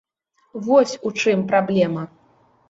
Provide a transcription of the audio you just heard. Вось у чым праблема.